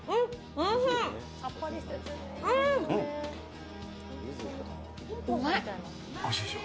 おいしいでしょ。